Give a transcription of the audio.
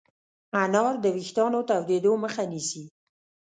انار د ويښتانو تویدو مخه نیسي.